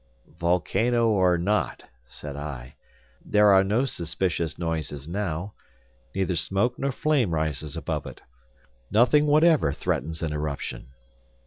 "Volcano, or not," said I, "there are no suspicious noises now; neither smoke nor flame rises above it; nothing whatever threatens an eruption."